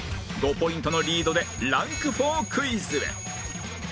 ５ポイントのリードでランク４クイズへ